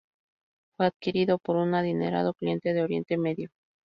Fue adquirido por un adinerado cliente de Oriente Medio.